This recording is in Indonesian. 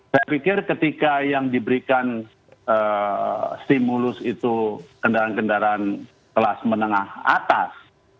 saya pikir ketika yang diberikan stimulus itu kendaraan kendaraan kelas menengah atas